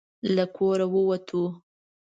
له کوره ووتو.